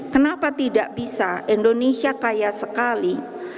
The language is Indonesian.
kenapa tidak bisa indonesia kaya sekali